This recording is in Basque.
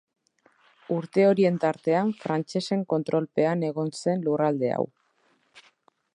Urte horien tartean frantsesen kontrolpean egon zen lurralde hau.